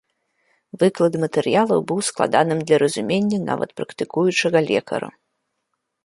Выклад матэрыялу быў складаным для разумення нават практыкуючага лекара.